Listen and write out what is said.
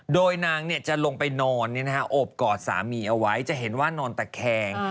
โดยนางจะลงไปนอนโอบกอดสามีเอาไว้จะเห็นว่านอนตะแคง